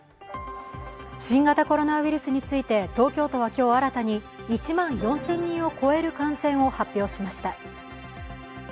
新型コロナウイルスについて、東京都は今日新たに１万４０００人を超える感染を発表しました。